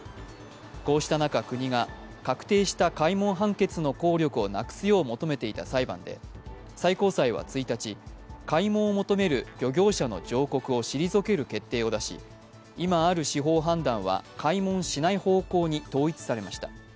こうした中、国が確定した開門判決の効力をなくすよう求めていた裁判で最高裁は１日、開門を求める漁業者の上告を退ける決定を出し、今ある司法判断は開門しない方向に統一されました。